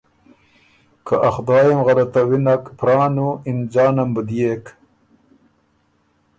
ا خدای ام غلطوی نک، پران نُو، اِنځانم بُو ديېک